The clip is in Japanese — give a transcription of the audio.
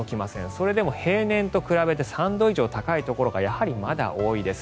それでも平年と比べて３度以上高いところがやはりまだ多いです。